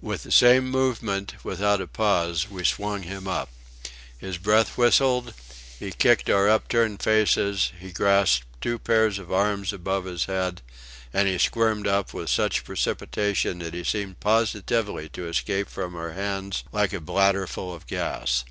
With the same movement, without a pause, we swung him up. His breath whistled, he kicked our upturned faces, he grasped two pairs of arms above his head, and he squirmed up with such precipitation that he seemed positively to escape from our hands like a bladder full of gas.